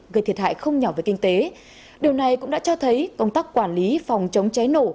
gây thiệt hại không nhỏ về kinh tế điều này cũng đã cho thấy công tác quản lý phòng chống cháy nổ